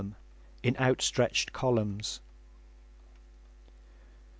P: In outstretched columns.